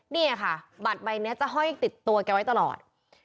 เนี่ยค่ะบัตรใบนี้จะห้อยติดตัวแกไว้ตลอด